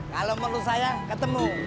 kalau menurut saya ketemu